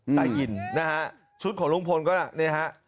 แต่ยินนะฮะชุดของลุงพลก็นะ